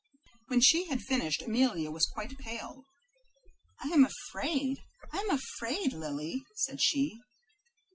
When she had finished Amelia was quite pale. "I am afraid, I am afraid, Lily," said she.